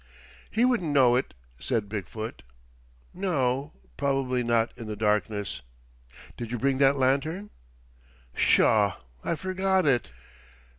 "He wouldn't know it," said Big foot. "No, probably not in the darkness. Did you bring that lantern?" "Pshaw! I forgot it.